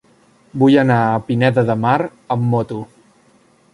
Vull anar a Pineda de Mar amb moto.